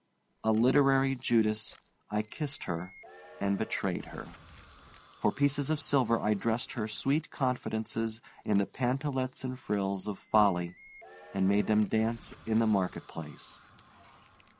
A literary Judas, I kissed her and betrayed her. For pieces of silver I dressed her sweet confidences in the pantalettes and frills of folly and made them dance in the market place.